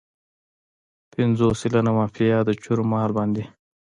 پنځوس سلنه مافیا د چور مال باندې.